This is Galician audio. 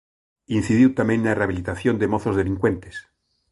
Incidiu tamén na rehabilitación de mozos delincuentes.